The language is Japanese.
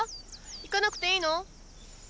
行かなくていいの？